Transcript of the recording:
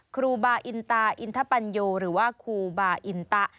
ครูบาอินตาอินทปัญโยหรือว่าครูบาอินตะ